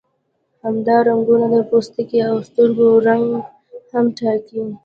همدا رنګونه د پوستکي او سترګو رنګ هم ټاکي.